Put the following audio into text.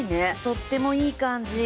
とってもいい感じ。